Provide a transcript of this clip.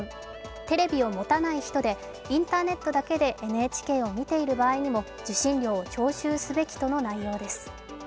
テレビを持たない人でインターネットだけでＮＨＫを見ている場合にも受信料を徴収すべきとの内容です。